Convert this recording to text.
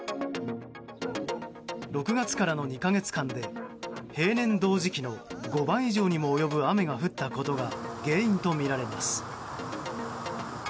６月からの２か月間で例年同時期の５倍以上にも及ぶ雨が降ったことが原因とみられます。